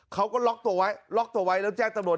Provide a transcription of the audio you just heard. เขาก็ล็อกตัวไว้ล็อกตัวไว้แล้วแจ้งตำรวจ